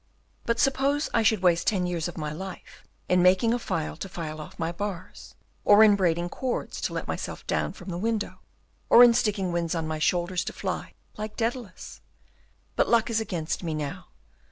But suppose I should waste ten years of my life in making a file to file off my bars, or in braiding cords to let myself down from the window, or in sticking wings on my shoulders to fly, like Dædalus? But luck is against me now.